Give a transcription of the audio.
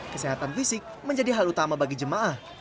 kesehatan fisik menjadi hal utama bagi jemaah